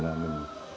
rồi là mình